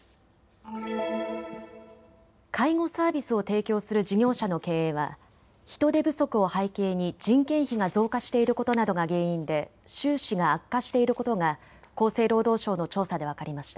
介護サービスを提供する事業者の経営は人手不足を背景に人件費が増加していることなどが原因で収支が悪化していることが厚生労働省の調査で分かりました。